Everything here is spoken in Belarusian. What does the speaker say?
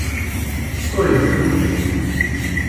Што ён для нас?